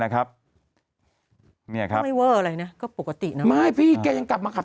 นะครับเนี้ยครับไม่เวอร์อะไรเนี้ยก็ปกตินะไม่พี่แกยังกลับมาขับ